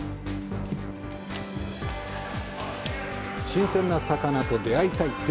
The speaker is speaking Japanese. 新鮮な魚と出会いたい！